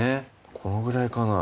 このぐらいかなぁ